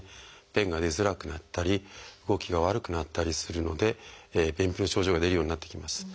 便が出づらくなったり動きが悪くなったりするので便秘の症状が出るようになってきます。